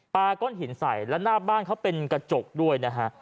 ก้อนหินใส่แล้วหน้าบ้านเขาเป็นกระจกด้วยนะฮะ